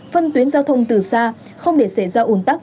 phân tuyến giao thông từ xa không để xảy ra ủn tắc